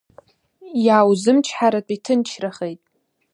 Иааузымычҳаратәы иҭынчрахеит.